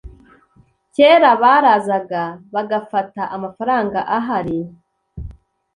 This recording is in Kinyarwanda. kera barazaga bagafata amafaranga ahari